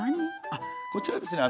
あっこちらはですね